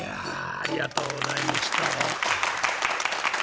ありがとうございます。